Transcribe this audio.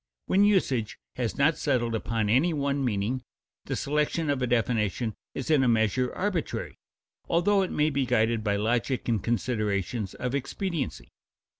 When usage has not settled upon any one meaning, the selection of a definition is in a measure arbitrary, though it may be guided by logic and considerations of expediency.